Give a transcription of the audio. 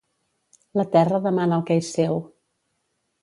La terra demana el que és seu.